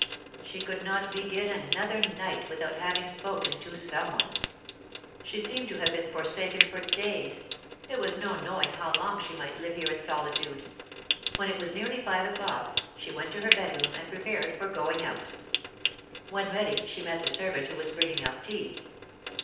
She could not begin another night without having spoken to some one. She seemed to have been foresaken for days; there was no knowing how long she might live here in solitude. When it was nearly five o'clock, she went to her bedroom and prepared for going out. When ready, she met the servant who was bringing up tea.